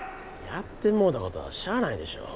やってもうた事はしゃあないでしょ。